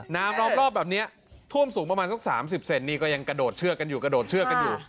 น้ำรอบแบบนี้ท่วมสูงประมาณสัก๓๐เซนติก็ยังกระโดดเชือกกันอยู่